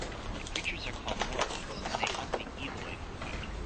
The creatures are called "Morlocks" and they hunt the Eloi for food.